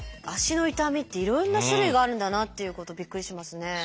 足の痛みっていろいろな種類があるんだなっていうことびっくりしますね。